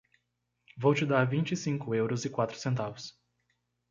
Vou te dar vinte e cinco euros e quatro centavos.